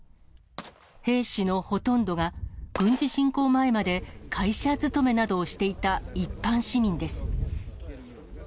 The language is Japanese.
兵士のほとんどが、軍事侵攻前まで会社勤めなどをしていた一般市民です。